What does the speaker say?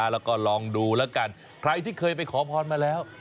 แล้วก็ลองดูแล้วกันใครที่เคยไปขอพรมาแล้ว